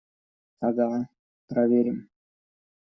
Ага, проверим!